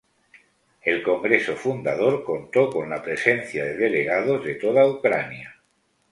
El congreso fundador contó con la presencia de delegados de toda Ucrania.